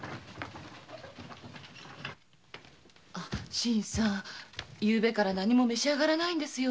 新さん昨夜から何も召し上がらないんですよ。